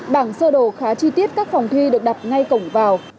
bảng sơ đồ khá chi tiết các phòng thi được đặt ngay cổng vào